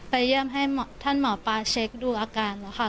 เยี่ยมให้ท่านหมอปลาเช็คดูอาการแล้วค่ะ